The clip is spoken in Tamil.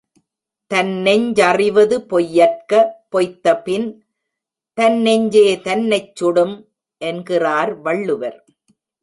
தன்நெஞ் சறிவது பொய்யற்க பொய்த்தபின் தன்நெஞ்சே தன்னைச் சுடும் என்கிறார் வள்ளுவர்.